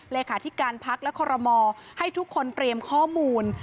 เลขาธิการพักและคอรมอให้ทุกคนเตรียมข้อมูล